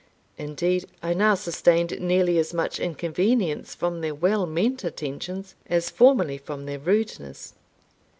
Indeed, I now sustained nearly as much inconvenience from their well meant attentions as formerly from their rudeness.